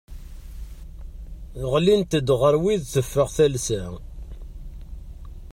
Ɣlint-d ɣer wid teffeɣ talsa.